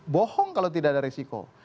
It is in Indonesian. bohong kalau tidak ada risiko